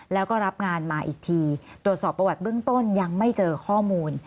แล้วก็รับงานมาอีกทีตรวจสอบประวัติเบื้องต้นยังไม่เจอข้อมูล